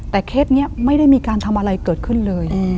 แต่เคสนี้ไม่ได้มีการทำอะไรเกิดขึ้นเลย